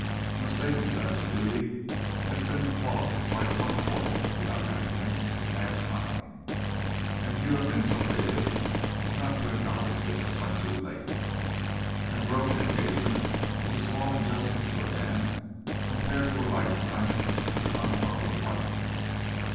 A mistaken sense of duty has been the cause of quite one fourth of the unhappiness of mankind, and few have been so bigoted as not to acknowledge this when too late. And a broken engagement is a small injustice to a man compared to a lifetime with an unloving wife.